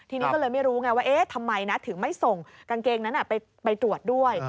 ทีนี้ก็เลยไม่รู้ไงว่าเอ๊ะทำไมนะถึงไม่ส่งกางเกงนั้นไปตรวจด้วย